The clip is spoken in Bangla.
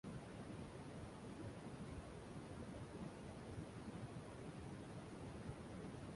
তাঁর আত্মজীবনী "সোলাস অ্যাড সালাম" মরণোত্তর প্রকাশিত হয়।